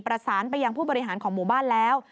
ประสานไปยังผู้บริหารของหมู่บ้านแล้ว